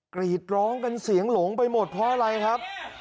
กรีดร้องกันเสียงหลงไปหมดเพราะอะไรครับ